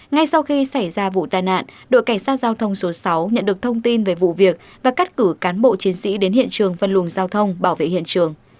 ngay sau khi xảy ra vụ tai nạn đội cảnh sát giao thông số sáu nhận được thông tin về vụ việc và cắt cử cán bộ chiến sĩ đến hiện trường phân luồng giao thông bảo vệ hiện trường